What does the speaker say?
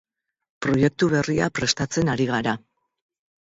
Proiektu berria prestatzen ari gara.